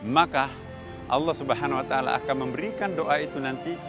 maka allah swt akan memberikan doa itu nanti